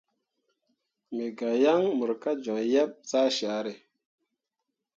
Me ga yaŋ mor ka joŋ yeb zah syare.